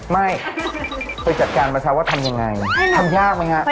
ไม่เธอจัดการมาช้าว่าทำยังไงทำยากมั้ยคะ